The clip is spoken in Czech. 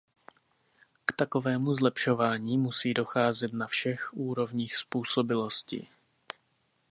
K takovému zlepšování musí docházet na všech úrovních způsobilosti.